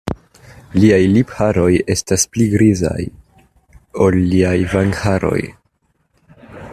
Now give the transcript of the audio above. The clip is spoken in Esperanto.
Liaj lipharoj estas pli grizaj, ol liaj vangharoj.